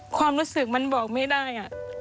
ความรู้สึกมันบอกไม่ได้